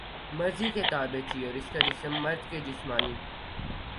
مرضی کے تابع تھی اور اس کا جسم مرد کے جسمانی